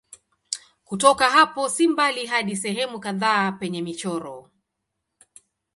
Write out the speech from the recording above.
Kutoka hapo si mbali hadi sehemu kadhaa penye michoro.